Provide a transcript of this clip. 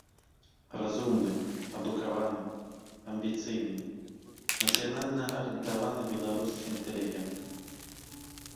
Разумны, адукаваны, амбіцыйны, нацыянальна-арыентаваны беларускі інтэлігент.